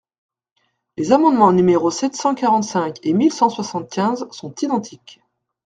Les amendements numéros sept cent quarante-cinq et mille cent soixante-quinze sont identiques.